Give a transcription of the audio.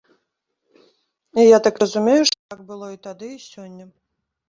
І я так разумею, што так было і тады, і сёння.